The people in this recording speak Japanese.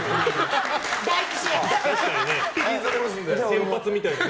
先発みたいな。